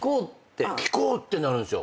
聞こうってなるんすよ。